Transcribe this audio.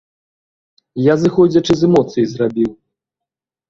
Я зыходзячы з эмоцый зрабіў.